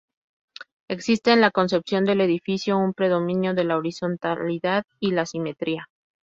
Existe en la concepción del edificio un predominio de la horizontalidad y la simetría.